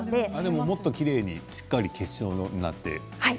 もっときれいにしっかり結晶になってるんだ。